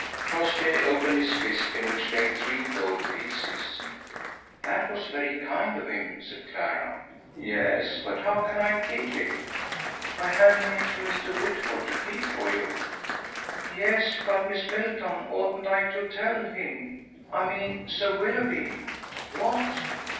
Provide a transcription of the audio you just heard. Crossjay opened his fist in which lay three gold pieces. "That was very kind of him," said Clara. "Yes, but how can I keep it?" "By handing it to Mr. Whitford to keep for you." "Yes, but, Miss Middleton, oughtn't I to tell him? I mean Sir Willoughby." "What?"